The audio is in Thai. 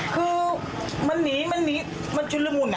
คือมันหนีมันหนีมันชั่วโมงอะ